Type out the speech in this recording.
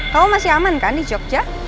kamu masih aman kan di jogja